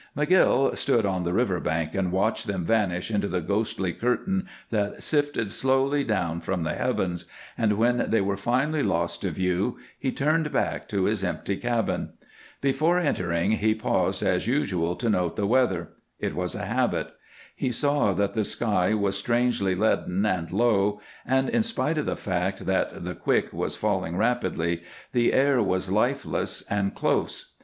McGill stood on the river bank and watched them vanish into the ghostly curtain that sifted slowly down from the heavens, and when they were finally lost to view he turned back to his empty cabin. Before entering he paused as usual to note the weather it was a habit. He saw that the sky was strangely leaden and low, and in spite of the fact that the "quick" was falling rapidly, the air was lifeless and close.